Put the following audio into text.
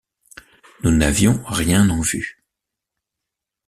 Nous n’avions rien en vue.